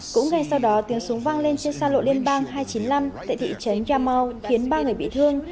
cũng ngay sau đó tiếng súng văng lên trên xa lộ liên bang hai trăm chín mươi năm tại thị trấn yamau khiến ba người bị thương